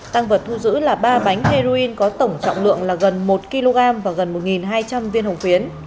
tăng vật thu giữ là ba bánh heroin có tổng trọng lượng là gần một kg và gần một hai trăm linh viên hồng phiến